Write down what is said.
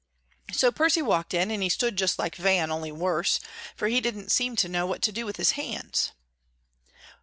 So Percy walked in, and he stood just like Van, only worse, for he didn't seem to know what to do with his hands.